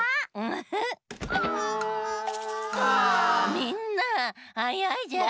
みんなはやいじゃん！